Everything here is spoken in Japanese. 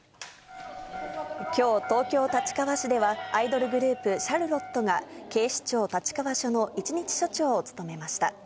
きょう、東京・立川市では、アイドルグループ、シャルロットが、警視庁立川署の１日署長を務めました。